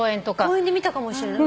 公園で見たかもしれない。